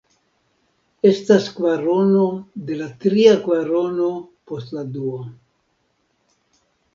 Estas kvarono de la tria kvarono post la dua.